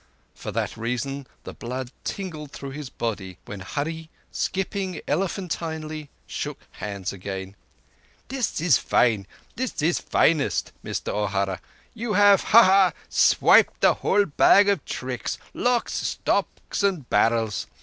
For that reason the blood tingled through his body, when Hurree, skipping elephantinely, shook hands again. "This is fine! This is finest! Mister O'Hara! you have—ha! ha! swiped the whole bag of tricks—locks, stocks, and barrels.